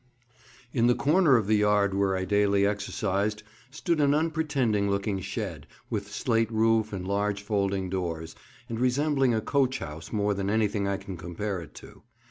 IN the corner of the yard where I daily exercised stood an unpretending looking shed, with slate roof and large folding doors, and resembling a coach house more than anything I can compare it to.